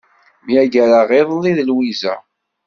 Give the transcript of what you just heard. Myagreɣ iḍelli d Lwiza.